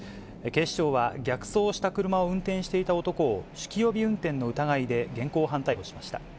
警視庁は逆走した車を運転していた男を酒気帯び運転の疑いで現行犯逮捕しました。